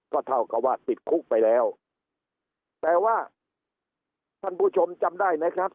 ก็เท่ากับว่าติดคุกไปแล้วแต่ว่าท่านผู้ชมจำได้ไหมครับ